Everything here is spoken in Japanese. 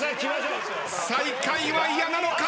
最下位は嫌なのか！？